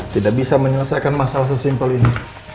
tidak bisa menyelesaikan masalah sesimpel ini